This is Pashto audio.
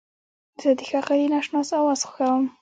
زه د ښاغلي ناشناس اواز خوښوم.